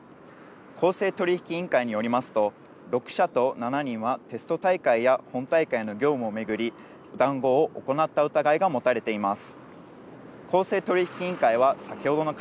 公正取引委員会によりますと、６社と７人はテスト大会や本大会の業務を上めぐり、談合を行った疑いが持たれています。